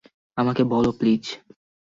আমাকে বলো প্লিজ।